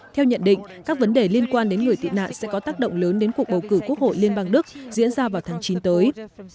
theo nhận định các vấn đề liên quan đến người tị nạn sẽ có tác động lớn đến cuộc bầu cử quốc hội liên bang đức diễn ra vào tháng chín tới